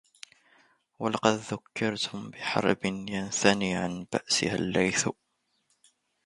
ولقد ذكرتكتم بحرب ينثني